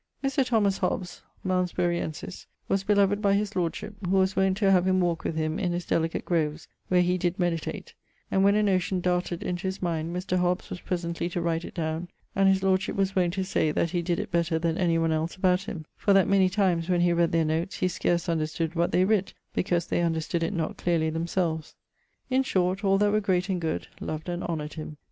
Mr. Thomas Hobbes (Malmesburiensis) was beloved by his lordship, who was wont to have him walke with him in his delicate groves where he did meditate: and when a notion darted into his mind, Mr. Hobbs was presently to write it downe, and his lordship was wont to say that he did it better then any one els about him; for that many times, when he read their notes he scarce understood what they writt, because they understood it not clearly themselves. In short, all that were great and good loved and honoured him.